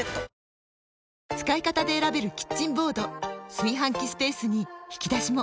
炊飯器スペースに引き出しも！